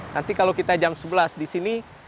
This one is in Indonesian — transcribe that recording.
nanti kalau kita jam sebelas di sini